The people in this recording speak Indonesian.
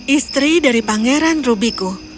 istri dari pangeran rubiku